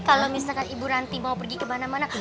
kalau misalkan ibu ranti mau pergi kemana mana